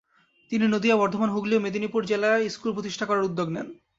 তিনি নদীয়া, বর্ধমান, হুগলি ও মেদিনীপুর জেলায় স্কুুল প্রতিষ্ঠার উদ্যোগ নেন।